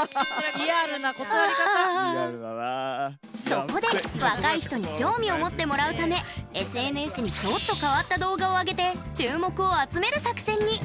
そこで、若い人に興味を持ってもらうためＳＮＳにちょっと変わった動画をあげて注目を集める作戦に。